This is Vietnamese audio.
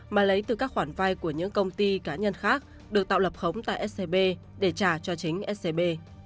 mà lấy từ các khoản vai của những công ty cá nhân khác được tạo lập khống tại scb để trả cho chính scb